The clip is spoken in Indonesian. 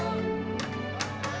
boleh baik baik deh